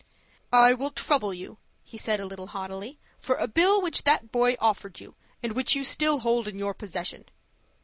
"I will trouble you," he said a little haughtily, "for a bill which that boy offered you, and which you still hold in your possession."